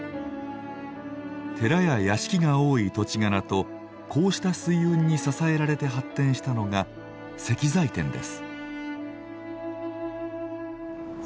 寺や屋敷が多い土地柄とこうした水運に支えられて発展したのが石材店です。